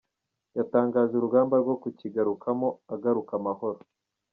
Yatangije urugamba rwo kukigarukamo, agaruka amahoro.